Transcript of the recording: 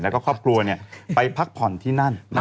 แล้วก็ครอบครัวไปพักผ่อนที่นั่น